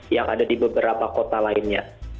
yang ada di beberapa kota lainnya